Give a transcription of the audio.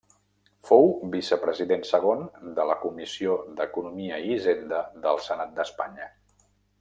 Fou vicepresident segon de la Comissió d'Economia i Hisenda del Senat d'Espanya.